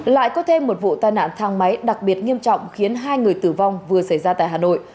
lại có thêm một vụ tai nạn thang máy đặc biệt nghiêm trọng khiến hai người tử vong vừa xảy ra tại hà nội